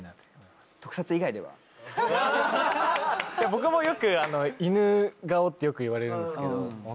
僕もよく。ってよく言われるんですけど。